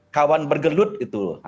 kawan bergelut gitu loh